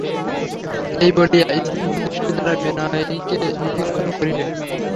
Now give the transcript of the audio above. এই বলিয়া স্নিগ্ধদৃষ্টি-দ্বারা বিনয়কে নিরীক্ষণ করিলেন।